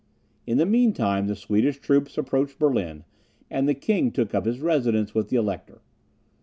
In the mean time, the Swedish troops approached Berlin, and the king took up his residence with the Elector.